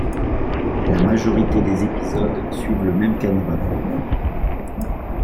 La majorité des épisodes suivent le même canevas.